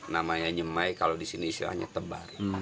namanya nyemai kalau disini istilahnya tebar